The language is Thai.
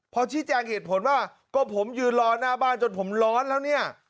พอชี้แจงเหตุผลว่าก็ผมยืนรอหน้าบ้านจนผมร้อนแล้วเนี่ย